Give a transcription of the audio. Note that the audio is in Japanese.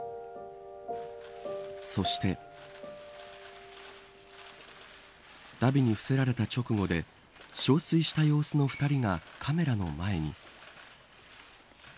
そして荼毘に付せられた直後で憔悴した様子の２人がカメラの前に。